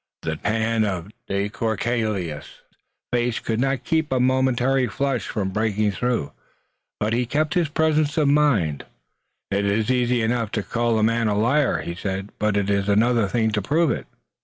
The tan of de Courcelles' face could not keep a momentary flush from breaking through, but he kept his presence of mind. "It is easy enough to call a man a liar," he said, "but it is another thing to prove it."